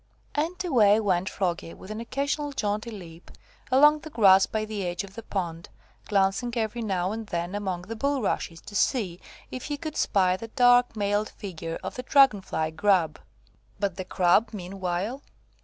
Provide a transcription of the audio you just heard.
And away went Froggy, with an occasional jaunty leap, along the grass by the edge of the pond, glancing every now and then among the bulrushes, to see if he could spy the dark, mailed figure of the dragon fly Grub. But the Grub, meanwhile?